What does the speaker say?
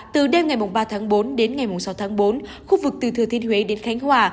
từ đêm ngày ba tháng bốn đến ngày sáu tháng bốn khu vực từ thừa thiên huế đến khánh hòa